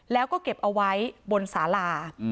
แล้วก็เก็บเอาไว้บนสารา